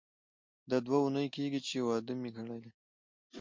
دا دوه اونۍ کیږي چې واده مې کړی دی.